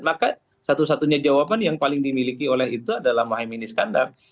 maka satu satunya jawaban yang paling dimiliki oleh itu adalah mohaimin iskandar